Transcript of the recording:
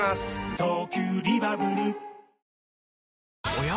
おや？